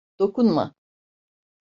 Dokunma!